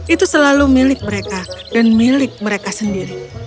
itu selalu milik mereka dan milik mereka sendiri